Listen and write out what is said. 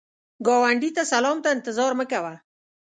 ګاونډي ته سلام ته انتظار مه کوه